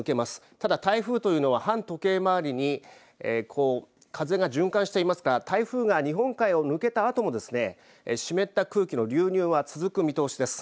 ただ、台風というのは反時計回りに、こう、風が循環していますが、台風が日本海を抜けたあとも、湿った空気の流入は続く見通しです。